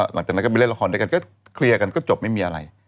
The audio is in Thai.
หลังจากนั้นก็ไปเล่นละครด้วยกันก็เคลียร์กันก็จบไม่มีอะไร